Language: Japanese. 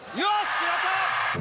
決まった！